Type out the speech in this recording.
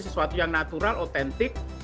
sesuatu yang natural otentik